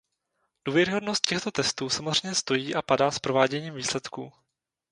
Důvěryhodnost těchto testů samozřejmě stojí a padá s prováděním výsledků.